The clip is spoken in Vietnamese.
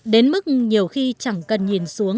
đến mức nhiều khi chẳng cần nhìn xuống